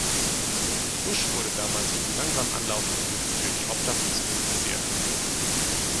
Bush wurde damals für die langsam anlaufende Hilfe für die Obdachlosen kritisiert.